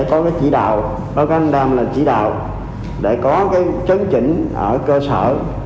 tôi sẽ có cái chỉ đạo có cái anh đam là chỉ đạo để có cái chấn chỉnh ở cơ sở